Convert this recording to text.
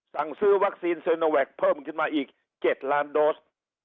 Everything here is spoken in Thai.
สั่งซื้อวัคซีนเซอร์เนอร์แวคเพิ่มอีก๗ล้านโดส